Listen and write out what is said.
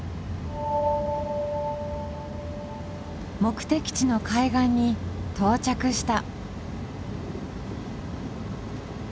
目的地の海岸に到着した。